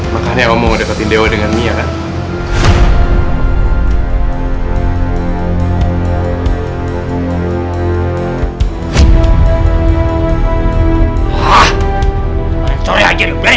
makanya kamu mau deketin dewa dengan mia kan